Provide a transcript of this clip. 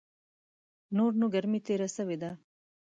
نور نو ګرمي تېره سوې ده .